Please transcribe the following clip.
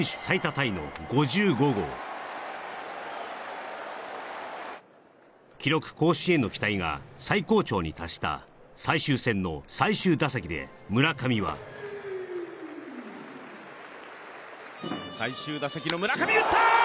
タイの５５号記録更新への期待が最高潮に達した最終戦の最終打席で村上は最終打席の村上打った！